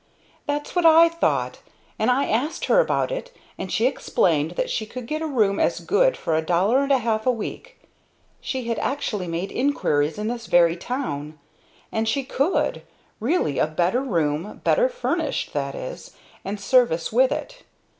"That's what I thought, and I asked her about it, and she explained that she could get a room as good for a dollar and a half a week she had actually made inquiries in this very town! And she could; really a better room, better furnished, that is, and service with it.